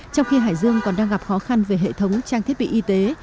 trong khi hải dương còn đang gặp khó khăn về hệ thống trang thiết bị y tế